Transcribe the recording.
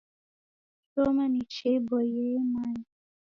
Kushoma ni chia iboiye yemanya.